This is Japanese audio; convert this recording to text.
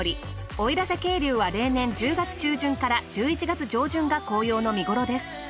奥入瀬渓流は例年１０月中旬から１１月上旬が紅葉の見ごろです。